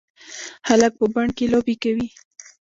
هلک په بڼ کې لوبې کوي.